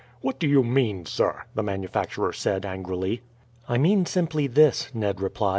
"What do you mean, sir?" the manufacturer said angrily. "I mean simply this," Ned replied.